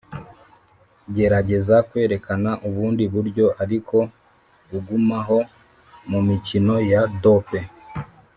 gerageza kwerekana ubundi buryo ariko ugumaho 'mumikino ya dope